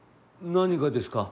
何がですか。